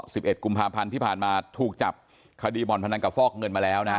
สิบเอ็ดกุมภาพันธ์ที่ผ่านมาถูกจับคดีบ่อนพนันกับฟอกเงินมาแล้วนะฮะ